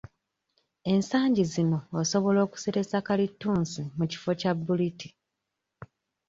Ensangi zino osobola okuseresa kalittunsi mu kifo kya bbuliti.